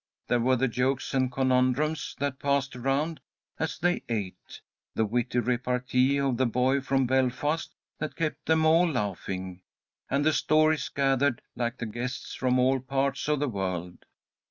There were the jokes and conundrums that passed around as they ate, the witty repartee of the boy from Belfast that kept them all laughing, and the stories gathered, like the guests, from all parts of the world.